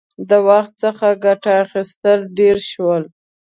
• د وخت څخه ګټه اخیستل ډېر شول.